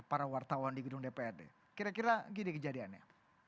para wartawan di gedung dprd kira kira gini kejadiannya